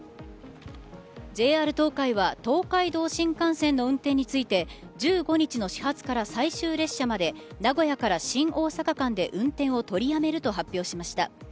ＪＲ東海は東海道新幹線の運転について１５日の始発から最終列車まで名古屋新大阪間で運転を取りやめると発表しました。